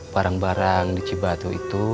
barang barang di cibatu itu tidak ada makanan untuk buka